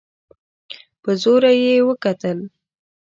په زوره يې وکتل.